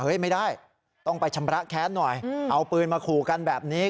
ไม่ได้ต้องไปชำระแค้นหน่อยเอาปืนมาขู่กันแบบนี้